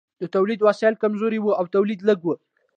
د تولید وسایل کمزوري وو او تولید لږ و.